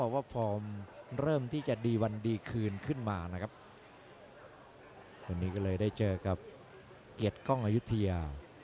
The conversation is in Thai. ก็เลยได้เจอกับเกียรติกล้องอายุเทียร์